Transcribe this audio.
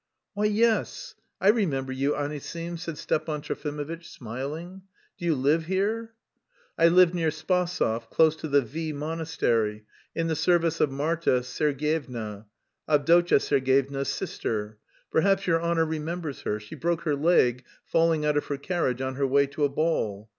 "Why, yes, I remember you, Anisim," said Stepan Trofimovitch, smiling. "Do you live here?" "I live near Spasov, close to the V Monastery, in the service of Marta Sergyevna, Avdotya Sergyevna's sister. Perhaps your honour remembers her; she broke her leg falling out of her carriage on her way to a ball.